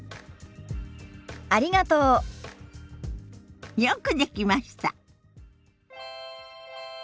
ありがとう。よくできました。